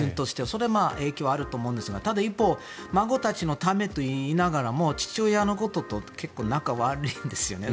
それは影響があると思うんですがただ一方孫たちのためと言いながらも父親と結構仲が悪いんですよね。